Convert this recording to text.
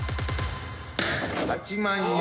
８万円。